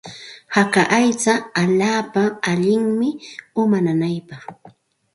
Haka aycha allaapa allinmi uma nanaypaq.